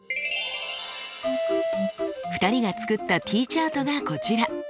２人が作ったＴチャートがこちら。